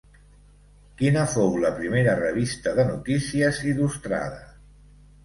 Quina fou la primera revista de notícies il·lustrada?